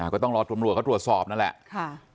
อ่าก็ต้องรอตรวจสอบนั่นแหละค่ะ